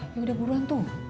ya udah buruan tuh